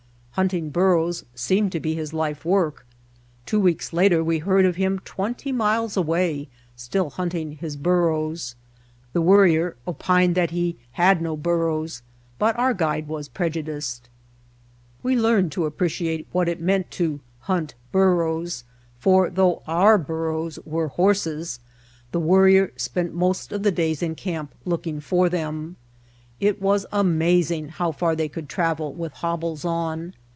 Hunting burros seemed to be his life work. Two weeks later we heard of him twenty miles away still hunting his burros. The Worrier opined that he had no burros, but our guide was prejudiced. We learned to appreciate what it meant to hunt burros, for though our burros were horses, the Worrier spent most of the days in camp look ing for them. It was amazing how far they could travel with hobbles on.